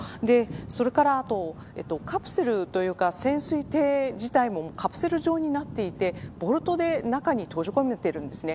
それから、カプセルというか潜水艇自体もカプセル状になっていて、ボルトで中に閉じ込めているんですね。